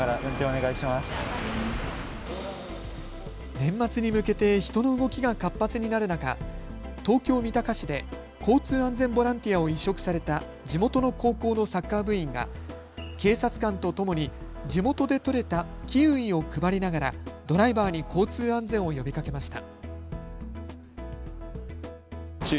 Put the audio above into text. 年末に向けて人の動きが活発になる中、東京三鷹市で交通安全ボランティアを委嘱された地元の高校のサッカー部員が警察官とともに地元で採れたキウイを配りながらドライバーに交通安全を呼びかけました。